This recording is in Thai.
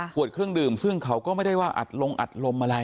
ขวดเครื่องดื่มซึ่งเขาก็ไม่ได้ว่าอัดลงอัดลมอะไร